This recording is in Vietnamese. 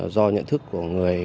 do nhận thức của người